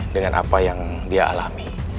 dengan apa yang dia alami